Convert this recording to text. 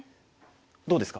どうですか？